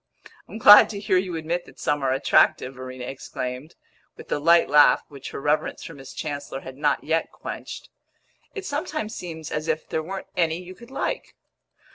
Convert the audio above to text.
"I'm glad to hear you admit that some are attractive!" Verena exclaimed, with the light laugh which her reverence for Miss Chancellor had not yet quenched. "It sometimes seems as if there weren't any you could like!"